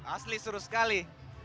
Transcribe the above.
asli seru sekali